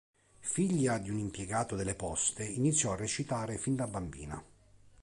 Figlia di un impiegato delle Poste, iniziò a recitare fin da bambina.